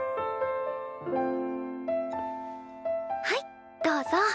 はいどうぞ。